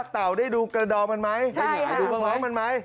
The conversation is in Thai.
เต่าได้ดูกระดองมันไหม